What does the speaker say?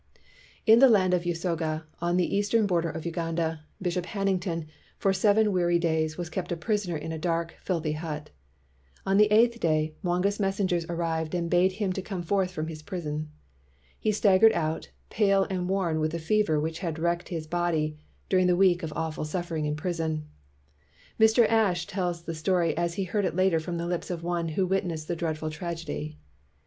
In the land of Usoga, on the eastern bor der of Uganda, Bishop Hannington for seven weary days was kept a prisoner in a dark, filthy hut. On the eighth day, Mwanga 's messengers arrived and bade him come forth from his prison. He staggered out, pale and worn with the fever which had wrecked his body during the week of awful suffering in prison. Mr. Ashe tells the story as he heard it later from the lips of one who witnessed the dreadful tragedy.